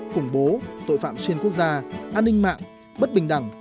khủng bố tội phạm xuyên quốc gia an ninh mạng bất bình đẳng